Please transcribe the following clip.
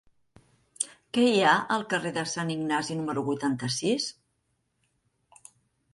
Què hi ha al carrer de Sant Ignasi número vuitanta-sis?